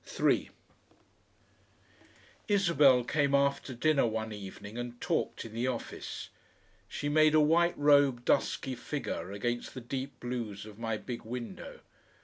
3 Isabel came after dinner one evening and talked in the office. She made a white robed, dusky figure against the deep blues of my big window.